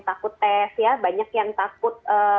takut tes ya banyak yang takut